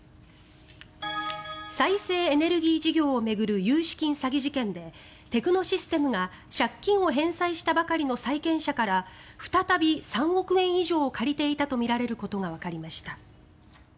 再生エネルギー事業を巡る融資金詐欺事件でテクノシステムが借金を返済したばかりの債権者から再び３億円以上借りていたとみられることがわかりました。